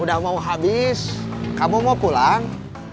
udah mau habis kamu mau pulang